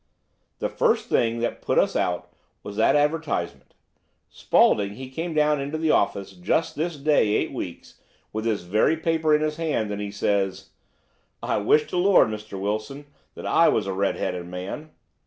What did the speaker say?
"The first thing that put us out was that advertisement. Spaulding, he came down into the office just this day eight weeks, with this very paper in his hand, and he says: "'I wish to the Lord, Mr. Wilson, that I was a red headed man.